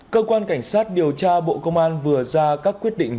cơ quan cảnh sát điều tra bộ công an vừa ra các quyết định